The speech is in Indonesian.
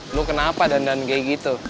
lo kenapa dandan dandan kayak gitu